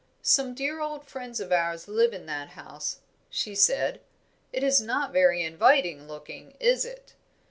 "Some dear old friends of ours live in that house," she said. "It is not very inviting looking, is it?